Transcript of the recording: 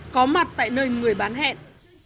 có mặt tại nơi người bán hẹn